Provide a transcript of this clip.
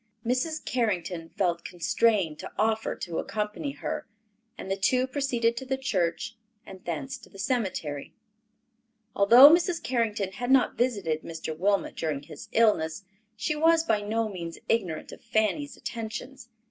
Mrs. Carrington felt constrained to offer to accompany her, and the two proceeded to the church and thence to the cemetery. Although Mrs. Carrington had not visited Mr. Wilmot during his illness, she was by no means ignorant of Fanny's attentions.